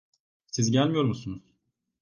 Siz gelmiyor musunuz?